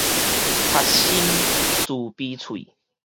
賊心慈悲喙